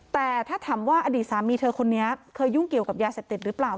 แต่ถ้าถามว่าอดีตสามีเธอคนนี้เคยยุ่งเกี่ยวกับยาเสพติดหรือเปล่า